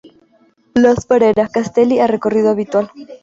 Blas Parera; Castelli a recorrido habitual.